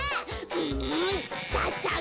うんツタさけ。